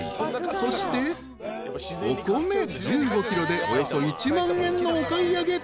［そしてお米１５ｋｇでおよそ１万円のお買い上げ］